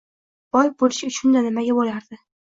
— Boy bo'lish uchun-da, nimaga bo‘lardi.